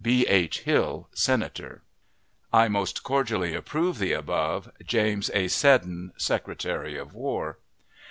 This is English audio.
B. H. Hill, Senator. I most cordially approve the above. James A. SEDDON, Secretary of War.